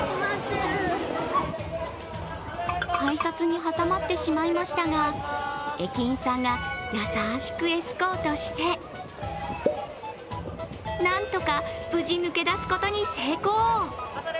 改札に挟まってしまいましたが、駅員さんが優しくエスコートしてなんとか無事、抜け出すことに成功。